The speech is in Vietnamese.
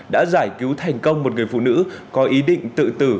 đã giải cứu thành công một người phụ nữ có ý định tự tử